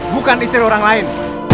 bukan istri orang lain